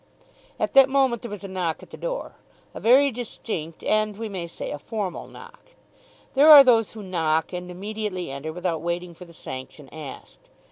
At that moment there was a knock at the door, a very distinct, and, we may say, a formal knock. There are those who knock and immediately enter without waiting for the sanction asked.